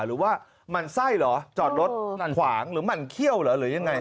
หมั่นไส้เหรอจอดรถขวางหรือหมั่นเขี้ยวเหรอหรือยังไง